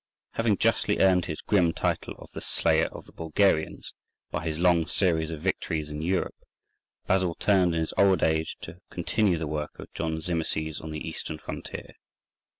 Having justly earned his grim title of "the Slayer of the Bulgarians" by his long series of victories in Europe, Basil turned in his old age to continue the work of John Zimisces on the Eastern frontier.